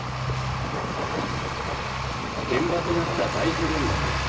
現場となった大普賢岳。